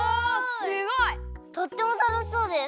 すごい！とってもたのしそうです。